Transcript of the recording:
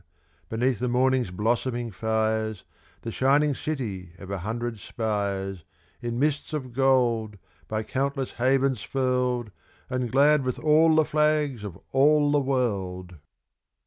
beneath the morning's blossoming fires, The shining city of a hundred spires, In mists of gold, by countless havens furled, And glad with all the flags of all the world!